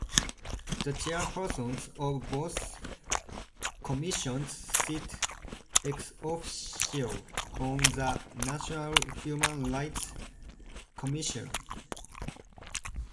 The chairpersons of both commissions sit "ex officio" on the National Human Rights Commission.